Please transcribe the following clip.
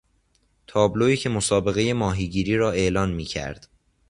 تابلویی که مسابقهی ماهیگیری را اعلان میکرد